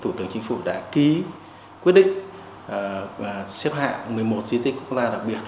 thủ tướng chính phủ đã ký quyết định và xếp hạng một mươi một di tích quốc gia đặc biệt